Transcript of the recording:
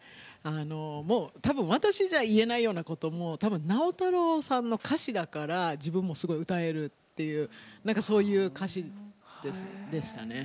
もうたぶん、私じゃ言えないようなこともたぶん、直太朗さんの歌詞だから自分もすごい歌えるっていうそういう歌詞でしたね。